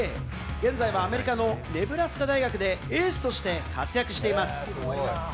現在はアメリカのネブラスカ大学でエースとして活躍しています。